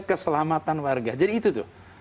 keselamatan warga jadi itu tuh